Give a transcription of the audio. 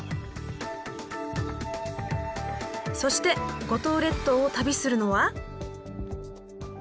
そして五島列島を旅するのは。